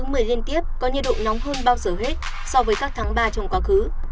tháng một mươi liên tiếp có nhiệt độ nóng hơn bao giờ hết so với các tháng ba trong quá khứ